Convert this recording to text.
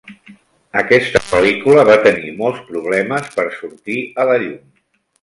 Aquesta pel·lícula va tenir molts problemes per sortir a la llum.